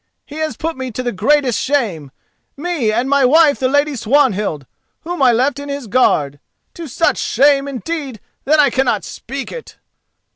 He has put me to the greatest shame, me and my wife the Lady Swanhild, whom I left in his guard—to such shame, indeed, that I cannot speak it."